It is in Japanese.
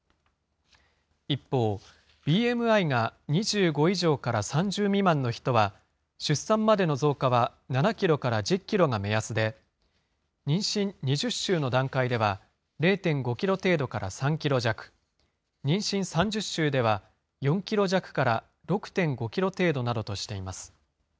一方、ＢＭＩが２５以上から３０未満の人は、出産までの増加は７キロから１０キロが目安で、妊娠２０週の段階では、０．５キロ程度から３キロ弱、妊娠３０週では、４キロ弱から６．５キロ程度などとしています。